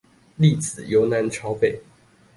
粒子由南朝北